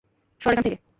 সর এখানে থেকে!